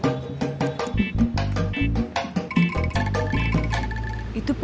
tidak ada apa apa